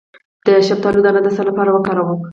د شفتالو دانه د څه لپاره وکاروم؟